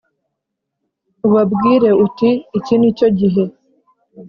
Ubabwire uti iki ni cyo gihe